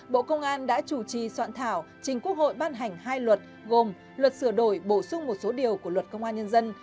bộ công an đã chủ trì soạn thảo trình quốc hội ban hành hai luật gồm luật sửa đổi bổ sung một số điều của luật công an nhân dân